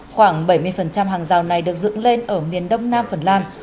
khoảng bảy mươi hàng rào này được dựng lên ở miền đông nam phần lan